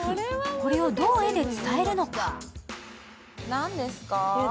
これをどう絵で伝えるのか？